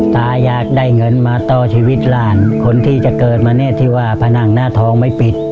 ตาอยากได้เงินมาต่อชีวิตหลานคนที่จะเกิดมาเนี่ยที่ว่าผนังหน้าทองไม่ปิด